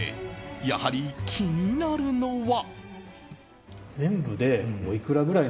やはり気になるのは。